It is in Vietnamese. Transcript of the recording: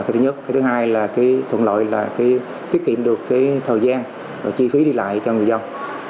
thứ hai thuận lợi là tiết kiệm được thời gian và chi phí đi lại cho người dân